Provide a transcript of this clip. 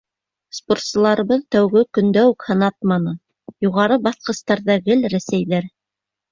Спортсыларыбыҙ тәүге көндә үк һынатманы — юғары баҫҡыстарҙа гел рәсәйҙәр.